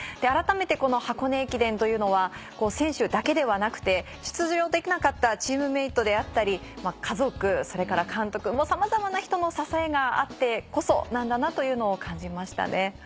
改めてこの箱根駅伝というのは選手だけではなくて出場できなかったチームメートであったり家族それから監督さまざまな人の支えがあってこそなんだなというのを感じましたね。